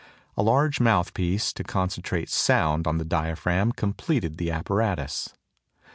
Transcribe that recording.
A large mouthpiece to concentrate sound on to the diaphragm completed the apparatus.